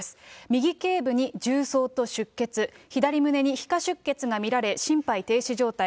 右けい部に銃創と出血、左胸に皮下出血が見られ、心肺停止状態。